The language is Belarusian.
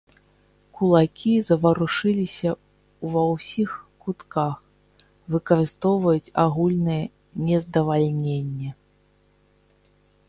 Кулакі заварушыліся ўва ўсіх кутках, выкарыстоўваюць агульнае нездавальненне.